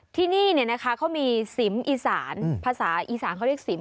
ที่นี่นะคะเขามีสิมอีสานภาษาอีสานเขาเรียกสิม